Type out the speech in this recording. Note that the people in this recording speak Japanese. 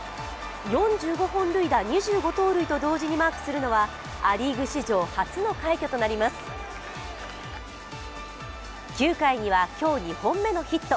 ４５本塁打、２５盗塁と同時にマークするのはア・リーグ史上初の快挙となります９回には今日２本目のヒット。